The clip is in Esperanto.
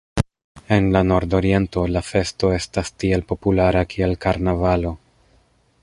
En la Nordoriento, la festo estas tiel populara kiel karnavalo.